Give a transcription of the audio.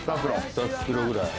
２袋ぐらい。